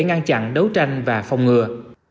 ngăn chặn đấu tranh và phòng ngừa